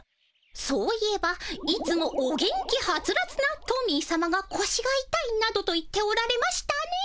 そういえばいつもお元気ハツラツなトミーさまがこしがいたいなどと言っておられましたね。